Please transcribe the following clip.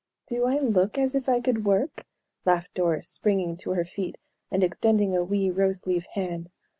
"Do I look as if I could work?" laughed Doris, springing to her feet and extending a wee rose leaf hand.